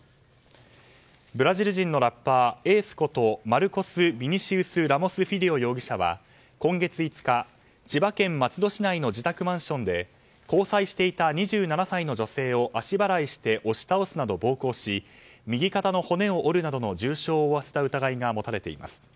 ブラジル人のラッパーＡＣＥことマルコス・ビニシウス・ラモス・フィリオ容疑者は今月５日、千葉県松戸市内の自宅マンションで交際していた２７歳の女性を足払いして押し倒すなど暴行し右肩の骨を折るなどの重傷を負わせた疑いが持たれています。